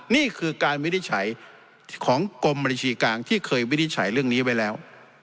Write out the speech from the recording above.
นี่คือการวินิจฉัยของกรมบัญชีกลางที่เคยวินิจฉัยเรื่องนี้ไว้แล้ว